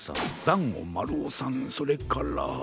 だんごまるおさんそれから。